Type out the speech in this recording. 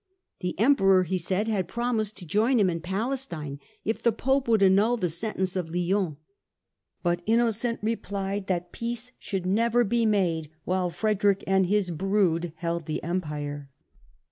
The Emperor, he said, had promised to join him in Palestine if the Pope would annul the sentence of Lyons. But Innocent replied that peace should never be made while Frederick and his brood held the Empire.